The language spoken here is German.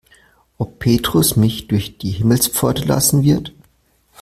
Ob Petrus mich durch die Himmelspforte lassen wird?